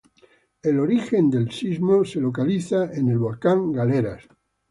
Su origen del sismo es localizado en el volcán Galeras.